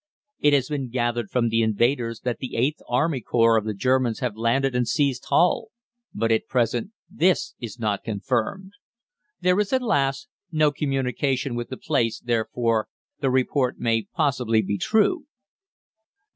It has been gathered from the invaders that the VIIIth Army Corps of the Germans have landed and seized Hull, but at present this is not confirmed. There is, alas! no communication with the place, therefore, the report may possibly be true.